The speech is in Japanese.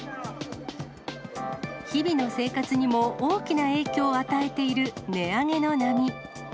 日々の生活にも大きな影響を与えている値上げの波。